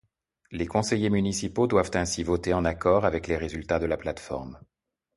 Les conseillers municipaux doivent ainsi voter en accord avec les résultats de la plateforme.